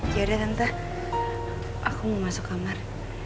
yaudah nanti aku mau masuk kamar